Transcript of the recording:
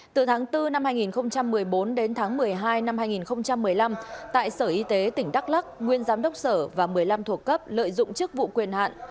từ tháng bốn năm hai nghìn một mươi bốn đến tháng một mươi hai năm hai nghìn một mươi năm tại sở y tế tỉnh đắk lắc nguyên giám đốc sở và một mươi năm thuộc cấp lợi dụng chức vụ quyền hạn